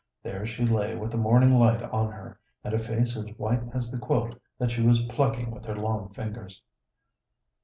There she lay with the morning light on her, and a face as white as the quilt that she was plucking with her long fingers.